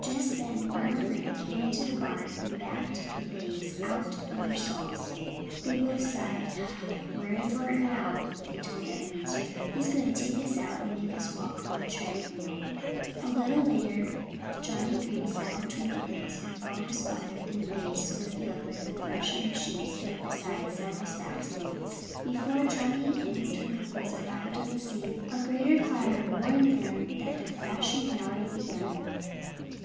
Just then Farmer Green came into the barn and backed the bays out of their stalls. They both sighed. "We're in for it now," they told Ebenezer. "He's going to take us out and make us walk on the tread mill." A little later Johnnie Green saddled Twinkleheels and followed his father and the bays to the field where the thrashing machine stood beside several stacks of oats. Before Johnnie and Twinkleheels arrived on the scene a great clatter warned them that thrashing had already begun.